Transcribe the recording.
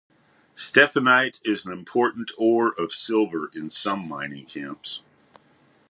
Stephanite is an important ore of silver in some mining camps.